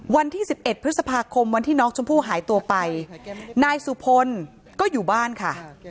วันที่๑๑พฤษภาคมวันที่น้องชมพู่หายตัวไปนายสุพลก็อยู่บ้านค่ะ